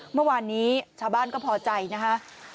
เมื่อวานนี้ชาวบ้านก็พอใจนะคะ